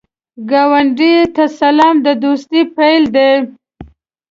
ګاونډي ته سلام، د دوستۍ پیل دی